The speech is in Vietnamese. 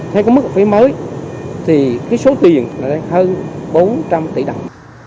theo mức học phí mới thì số tiền là hơn bốn trăm linh tỷ đồng